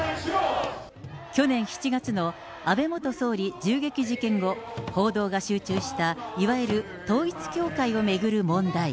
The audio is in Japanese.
去年の安倍元総理銃撃事件後、報道が集中したいわゆる統一教会を巡る問題。